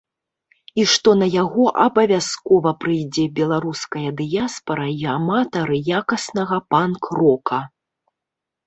І што на яго абавязкова прыйдзе беларуская дыяспара і аматары якаснага панк-рока.